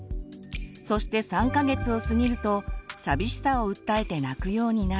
そして３か月を過ぎるとさびしさを訴えて泣くようになり。